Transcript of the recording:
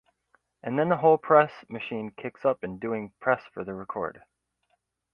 And then the whole press machine kicks up and doing press for the record.